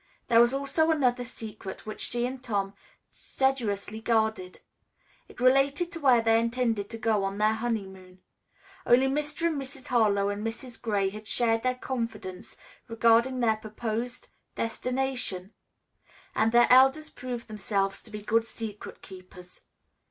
There was also another secret which she and Tom sedulously guarded. It related to where they intended to go on their honeymoon. Only Mr. and Mrs. Harlowe and Mrs. Gray had shared their confidence regarding their purposed destination, and their elders proved themselves to be good secret keepers.